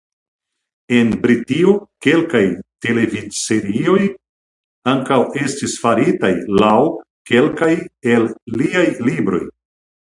En Britio kelkaj televidserioj ankaŭ estis faritaj laŭ kelkaj el liaj libroj.